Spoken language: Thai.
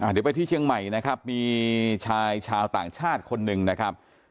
เดี๋ยวไปที่เชียงใหม่นะครับมีชายชาวต่างชาติคนหนึ่งนะครับ